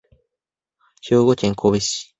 兵庫県神戸市